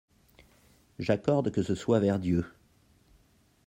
J'accorde que ce soit vers Dieu.